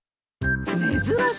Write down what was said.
珍しいね。